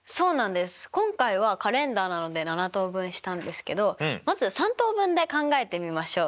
今回はカレンダーなので７等分したんですけどまず３等分で考えてみましょう。